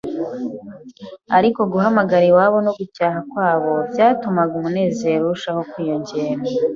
ariko guhamagara iwabo no gucyaha kwabo byatumaga umunezero urushaho kwiyongera.